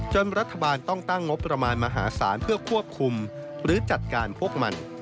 รัฐบาลต้องตั้งงบประมาณมหาศาลเพื่อควบคุมหรือจัดการพวกมัน